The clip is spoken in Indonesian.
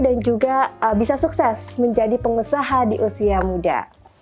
dan juga bisa sukses menjadi pengusaha di usia muda